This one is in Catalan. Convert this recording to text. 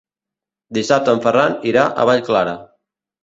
Dissabte en Ferran irà a Vallclara.